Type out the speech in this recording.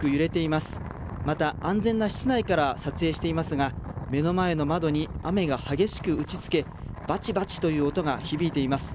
また、安全な室内から撮影していますが、目の前の窓に雨が激しく打ちつけ、ばちばちという音が響いています。